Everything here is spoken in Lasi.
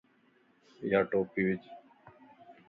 يا ٽوپي وج